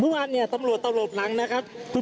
เมื่อวานตำรวจตาวโลภรังคุณผู้ชมครับ